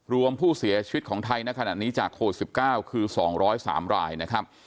รวมผู้เสียชีวิตของไทยในขณะนี้จากโควิด๑๙คือ๒๐๓รายนะครับ